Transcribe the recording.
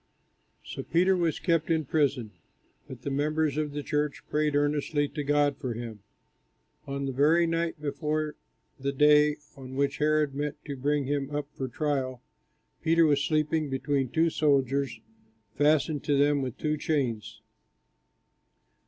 So Peter was kept in prison; but the members of the church prayed earnestly to God for him. On the very night before the day on which Herod meant to bring him up for trial, Peter was sleeping between two soldiers, fastened to them with two chains.